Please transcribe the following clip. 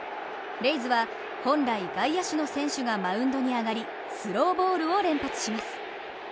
レイズは本来外野手の選手がマウンドに上がりスローボールを連発します。